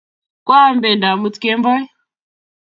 Kwa am pendo amut kemboi